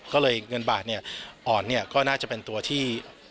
ก็เลยเงินบาทอ่อนน่าจะเป็นตัวที่